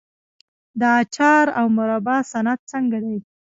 د اچار او مربا صنعت څنګه دی؟